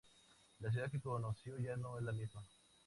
La ciudad que conoció ya no es la misma.